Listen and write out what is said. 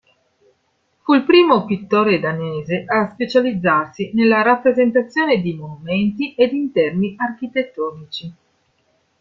Fu il primo pittore danese a specializzarsi nella rappresentazione di monumenti ed interni architettonici.